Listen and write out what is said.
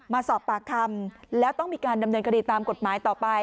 มาสอบปากคำแล้วต้องมีการดำเนินคดีตามกฎหมายต่อไป